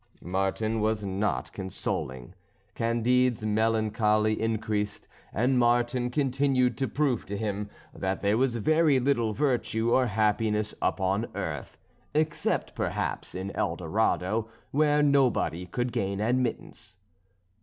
Martin was not consoling. Candide's melancholy increased; and Martin continued to prove to him that there was very little virtue or happiness upon earth, except perhaps in El Dorado, where nobody could gain admittance.